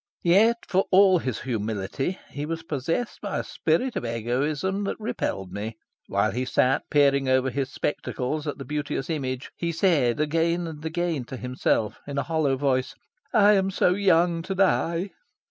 Yet, for all his humility, he was possessed by a spirit of egoism that repelled me. While he sat peering over his spectacles at the beauteous image, he said again and again to himself, in a hollow voice, "I am so young to die."